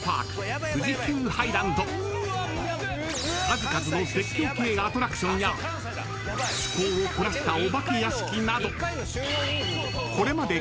［数々の絶叫系アトラクションや趣向を凝らしたお化け屋敷などこれまで］